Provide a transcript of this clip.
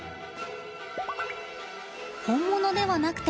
本物ではなくて。